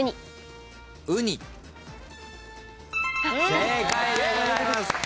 正解でございます。